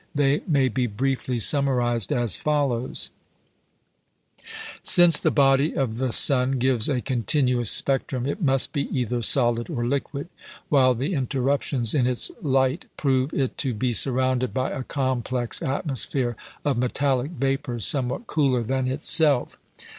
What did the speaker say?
They may be briefly summarised as follows: Since the body of the sun gives a continuous spectrum, it must be either solid or liquid, while the interruptions in its light prove it to be surrounded by a complex atmosphere of metallic vapours, somewhat cooler than itself.